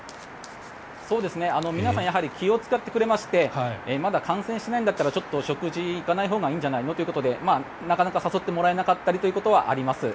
皆さんやはり気を使ってくれましてまだ感染していないんだったらちょっと食事に行かないほうがいいんじゃないのということでなかなか誘ってもらえなかったりということはあります。